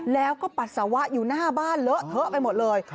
แล้วก็ปัสสาวะอยู่หน้าบ้านเลอะเทอะไปหมดเลย